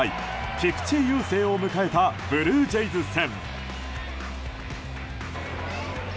菊池雄星を迎えたブルージェイズ戦。